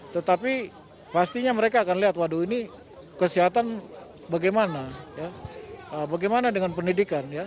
tetapi pastinya mereka akan lihat waduh ini kesehatan bagaimana dengan pendidikan ya